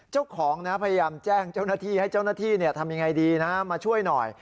เจ้าของนะพยายามแจ้งเจ้าหน้าที่ให้เจ้าหน้าที่ทำยังไงดีนะมาช่วยหน่อย